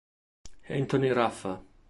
Anthony Raffa